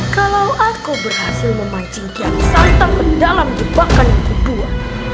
kalau aku berhasil memancing tiang santan ke dalam jebakan kedua